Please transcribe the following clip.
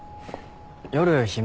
夜暇？